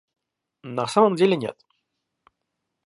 На самом деле нет